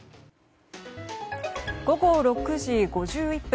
午後６時５１分。